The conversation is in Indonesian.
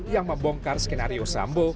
yang membongkar skenario sambu